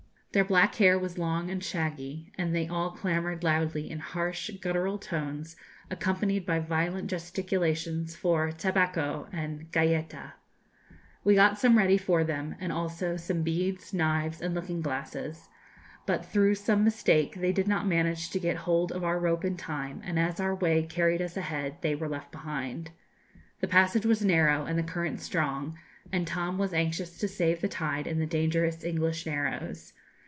Their black hair was long and shaggy, and they all clamoured loudly in harsh guttural tones, accompanied by violent gesticulations, for 'tabáco' and 'galléta.' We got some ready for them, and also some beads, knives, and looking glasses, but through some mistake they did not manage to get hold of our rope in time, and as our way carried us ahead they were left behind. The passage was narrow, and the current strong, and Tom was anxious to save the tide in the dangerous English Narrows.